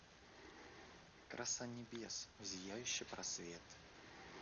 Краса небес в зияющий просвет;.